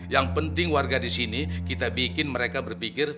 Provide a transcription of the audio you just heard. yang penting warga di sini kita bikin mereka berpikir